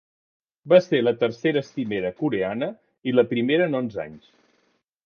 Va ser la tercera cimera coreana i la primera en onze anys.